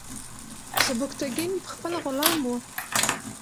سبکتیګن پخپله غلام و.